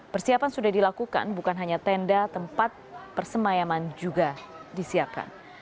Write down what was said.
persiapan sudah dilakukan bukan hanya tenda tempat persemayaman juga disiapkan